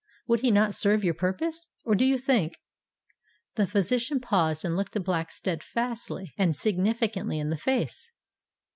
Would he not serve your purpose? or do you think——" The physician paused and looked the Black steadfastly and significantly in the face.